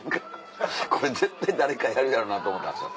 これ絶対誰かやるやろなと思ったんですよ。